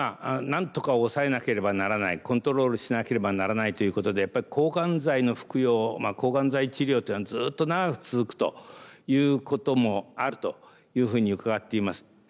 なんとか抑えなければならないコントロールしなければならないということで抗がん剤の服用抗がん剤治療っていうのはずっと長く続くということもあるというふうに伺っています。